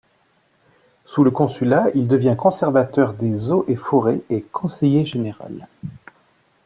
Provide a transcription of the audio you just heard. Sous le Consulat, il devient conservateur des Eaux et Forêts et conseiller général.